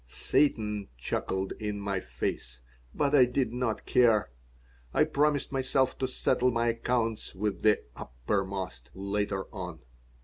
Satan chuckled in my face, but I did not care. I promised myself to settle my accounts with the Uppermost later on.